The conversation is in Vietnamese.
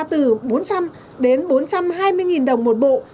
từ bốn trăm linh đến bốn trăm hai mươi đồng một bộ